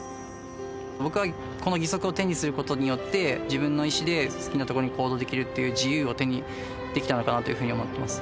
僕はこの義足を手にすることによって、自分の意思で好きな所に行動できるっていう、自由を手にできたのかなというふうに思ってます。